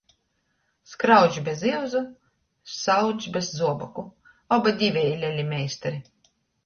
Skraucs bez iuzu, saucs bez zuoboku – oba diveji leli meistari.